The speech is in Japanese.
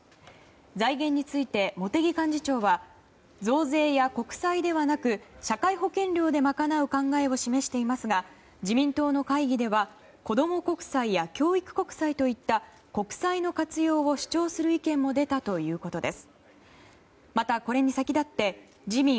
財源について茂木幹事長は増税や国債ではなく社会保険料で賄う考えを示していますが自民党の会議では子供国債や教育国債といった国債の活用を主張する意見も出たということです。